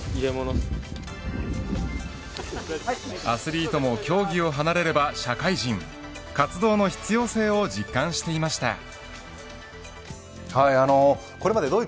アスリートも競技を離れれば社会人活動の必要性を実感していました。